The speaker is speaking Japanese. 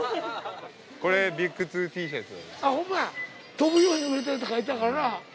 飛ぶように売れてるとか言ってたからな。